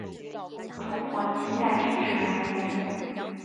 中国近代政治人物。